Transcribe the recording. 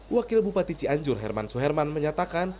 wakil bupati cianjur herman suherman menyatakan